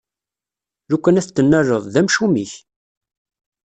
Lukan ad t-tennaleḍ, d amcum-ik!